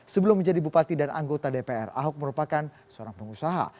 sebelum menjadi bupati dan anggota dpr ahok merupakan seorang pengusaha